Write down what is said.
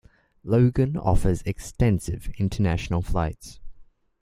Logan offers extensive international flights.